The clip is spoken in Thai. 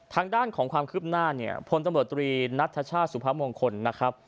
ทางด้านของความคืบหน้าเนี่ยพลตำรวจตรีนัทชาติสุพมงคลนะครับ